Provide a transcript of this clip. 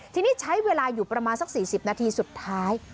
ทีนี้ใช้เวลาอยู่ประมาณสัก๔๐นาทีสุดท้าย